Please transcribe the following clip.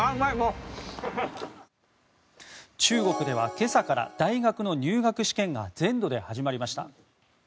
中国では今朝から大学の入学試験が全土で始まりました。